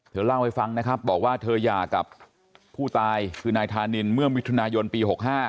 เธอเล่าให้ฟังนะครับบอกว่าเธอหย่ากับผู้ตายคือนายธานินเมื่อมิถุนายนปี๖๕